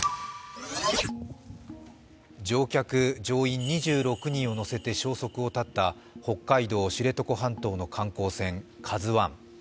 乗客・乗員２６人を乗せて消息を絶った北海道知床半島の観光船「ＫＡＺＵⅠ」。